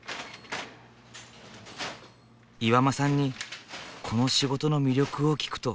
岩間さんにこの仕事の魅力を聞くと。